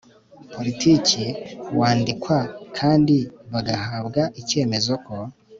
politiki wandikwa kandi bagahabwa icyemezo ko